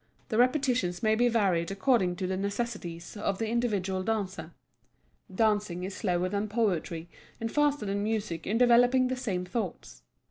The repetitions may be varied according to the necessities of the individual dancer. Dancing is slower than poetry and faster than music in developing the same thoughts.